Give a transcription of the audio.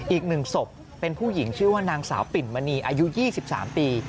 อีก๑ศพเป็นผู้หญิงชื่อว่านางสาวปิ่นมณีอายุ๒๓ปี